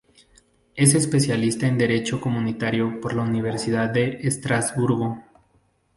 Es especialista en Derecho Comunitario por la Universidad de Estrasburgo.